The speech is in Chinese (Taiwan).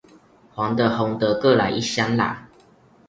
黃的紅的各來個一箱啦